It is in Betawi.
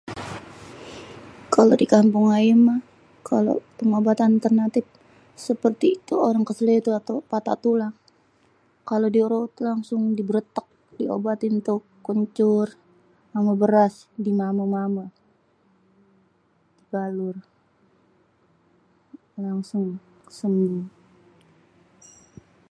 Kalo di kampung ayé mah kalo pengobatan alternatip seperti itu orang keseleo tu atau patah tulang. Kalo diurut langsung di bretek diobatin tuh kencur ama beras dinano-nano dibalur, langsung sembuh.